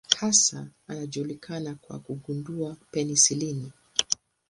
Hasa anajulikana kwa kugundua penisilini.